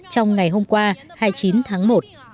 trong ngày hôm qua hai mươi chín tháng một